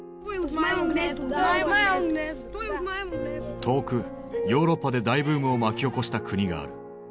遠くヨーロッパで大ブームを巻き起こした国がある。